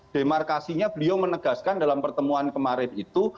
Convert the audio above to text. demarkasinya beliau menegaskan dalam pertemuan kemarin itu